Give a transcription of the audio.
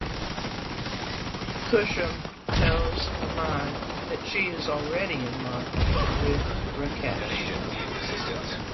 Kusum tells Aman that she is already in love with Rakesh.